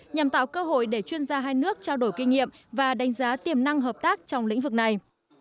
nhằm tạo cơ hội để chuyên gia hai nước trao đổi kinh nghiệm và đánh giá tiềm năng hợp tác trong lĩnh vực này